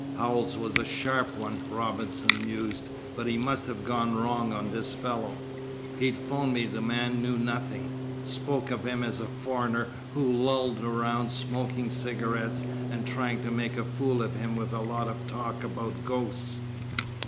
"Howells was a sharp one," Robinson mused, "but he must have gone wrong on this fellow. He 'phoned me the man knew nothing. Spoke of him as a foreigner who lolled around smoking cigarettes and trying to make a fool of him with a lot of talk about ghosts."